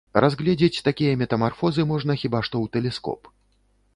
Разгледзець такія метамарфозы можна хіба што ў тэлескоп.